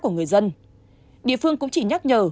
của người dân địa phương cũng chỉ nhắc nhở